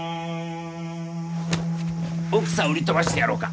奥さん売り飛ばしてやろうか？